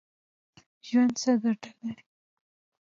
ژوند څه ګټه لري ؟